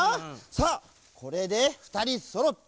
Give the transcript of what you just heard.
さあこれでふたりそろってふるしん